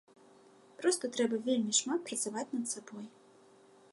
Проста трэба вельмі шмат працаваць над сабой.